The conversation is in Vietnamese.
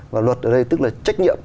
và luật ở đây tức là trách nhiệm